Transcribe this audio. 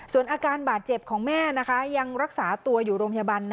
ส่วนอาการบาดเจ็บของแม่ยังรักษาตัวอยู่โรงพยาบาล